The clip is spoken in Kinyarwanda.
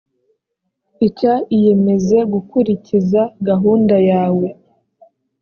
icya iyemeze gukurikiza gahunda yawe